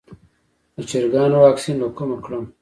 د چرګانو واکسین له کومه کړم؟